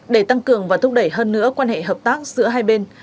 để tăng cường và thúc đẩy hơn nữa quan hệ hợp tác giữa hai bên